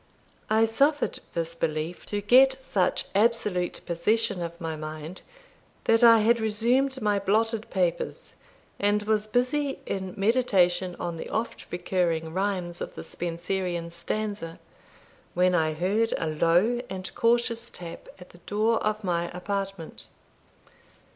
I suffered this belief to get such absolute possession of my mind, that I had resumed my blotted papers, and was busy in meditation on the oft recurring rhymes of the Spenserian stanza, when I heard a low and cautious tap at the door of my apartment.